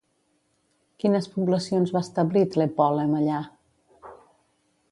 Quines poblacions va establir Tlepòlem allà?